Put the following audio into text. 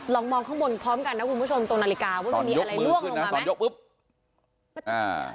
ลองมองข้างบนพร้อมกันนะคุณผู้ชมตรงนาฬิกาว่ามีอะไรล่วงลงมาไหม